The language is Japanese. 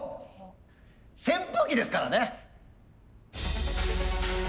扇風機ですからね。